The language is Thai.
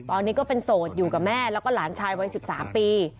ตอนนี้ก็เป็นโสดอยู่กับแม่แล้วก็หลานชายวัย๑๓ปี